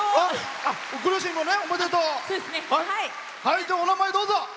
お名前をどうぞ。